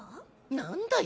何だよ